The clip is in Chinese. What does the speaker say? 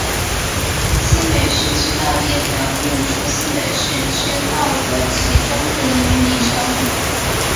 新北市区道列表列出新北市区道的起终点与里程。